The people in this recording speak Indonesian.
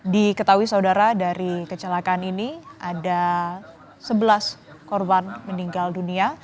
diketahui saudara dari kecelakaan ini ada sebelas korban meninggal dunia